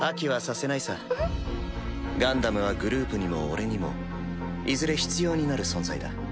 ガンダムはグループにも俺にもいずれ必要になる存在だ。